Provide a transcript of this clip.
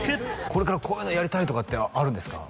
これからこういうのやりたいとかってあるんですか？